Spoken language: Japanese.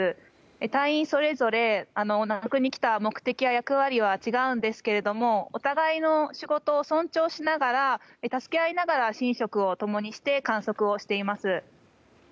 隊員それぞれここに来た目的や役割は違いますがお互いの仕事を尊重しながら助け合いながら寝食を共にして観測をしています。